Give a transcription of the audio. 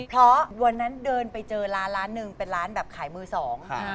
เพราะวันนั้นเดินไปเจอร้านร้านหนึ่งเป็นร้านแบบขายมือสอง